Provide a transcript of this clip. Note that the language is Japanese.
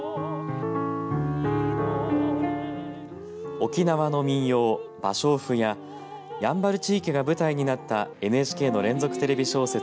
沖縄の民謡、芭蕉布ややんばる地域が舞台になったＮＨＫの連続テレビ小説